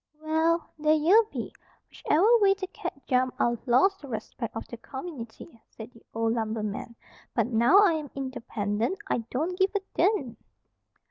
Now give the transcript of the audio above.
"Well, there ye be. Whichever way the cat jumped, I'd lost the respect of the community," said the old lumberman. "But now I am independent, I don't give a dern!"